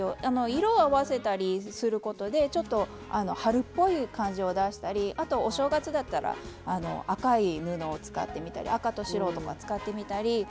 色を合わせたりすることでちょっと春っぽい感じを出したりあとお正月だったら赤い布を使ってみたり赤と白とか使ってみたり。